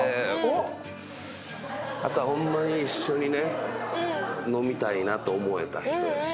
あとはホンマに一緒にね飲みたいなと思えた人やし。